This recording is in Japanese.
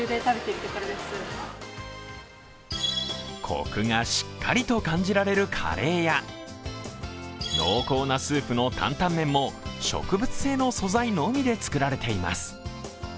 コクがしっかりと感じられるカレーや濃厚なスープのタンタン麺も、植物性の素材のみで作られています。